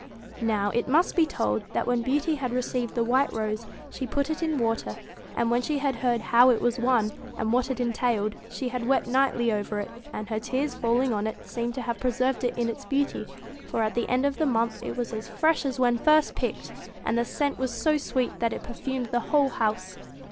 Now, it must be told, that when Beauty had received the white rose she put it in water, and when she had heard how it was won, and what it entailed, she had wept nightly over it, and her tears falling on it seemed to have preserved it in its beauty, for at the end of the month it was as fresh as when first picked; and the scent was so sweet that it perfumed the whole house.